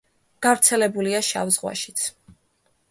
გავრცელებულია შავ ზღვაშიც.